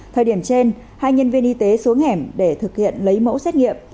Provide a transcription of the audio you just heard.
thời điểm trên hai nhân viên y tế xuống hẻm để thực hiện lấy mẫu xét nghiệm